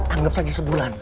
anggap saja sebulan